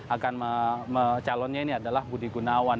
akan calonnya ini adalah budi gunawan